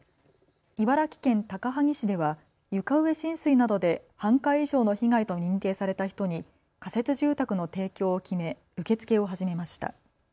茨城県高萩市では床上浸水などで半壊以上の被害と認定された人に仮設住宅の提供を決め受け付けを始めました。